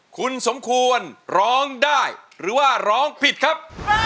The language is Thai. คุณสมควรร้องได้หรือว่าร้องผิดครับ